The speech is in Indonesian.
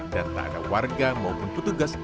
dan tak ada warga maupun petugas